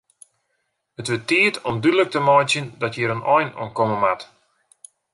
It wurdt tiid om dúdlik te meitsjen dat hjir in ein oan komme moat.